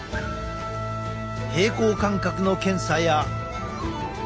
平衡感覚の検査や。